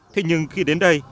thế nhưng khi đến đây